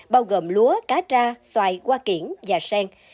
bao gồm lúa cá tra xoài qua kiển và sen